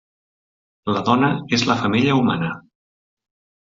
La dona és la femella humana.